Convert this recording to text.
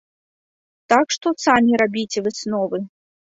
Так што самі рабіце высновы.